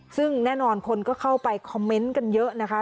ซึ่งแน่นอนคนก็เข้าไปคอมเมนต์กันเยอะนะคะ